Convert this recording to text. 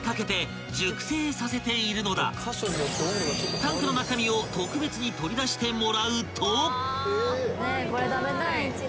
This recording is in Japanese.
［タンクの中身を特別に取り出してもらうと］